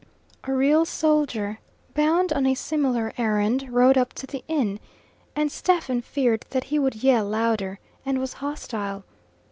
A real soldier, bound on a similar errand, rode up to the inn, and Stephen feared that he would yell louder, and was hostile.